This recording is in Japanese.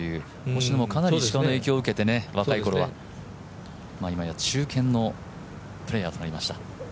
星野もかなり石川の影響を受けて、今や中堅のプレーヤーとなりました。